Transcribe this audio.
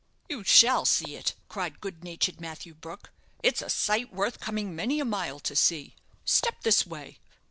"You shall see it," cried good natured Matthew Brook. "It's a sight worth coming many a mile to see. Step this way."